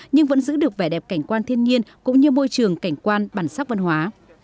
nhưng vẫn giữ được vẻ đẹp cảnh quan thiên nhiên cũng như môi trường cảnh quan bản sắc văn hóa